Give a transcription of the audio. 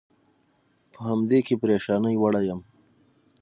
په همدې کې پرېشانۍ وړی یم.